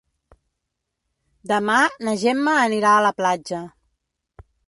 Demà na Gemma anirà a la platja.